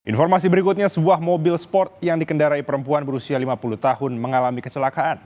informasi berikutnya sebuah mobil sport yang dikendarai perempuan berusia lima puluh tahun mengalami kecelakaan